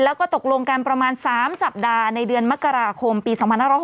แล้วก็ตกลงกันประมาณ๓สัปดาห์ในเดือนมกราคมปี๒๕๖๒